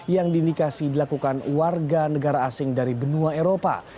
yang diindikasi dilakukan warga negara asing dari benua eropa